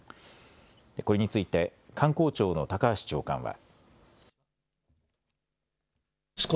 これについて観光庁の高橋長官は。